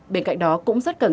bên cạnh đó cũng rất cần